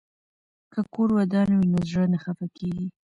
که کور ودان وي نو زړه نه خفه کیږي.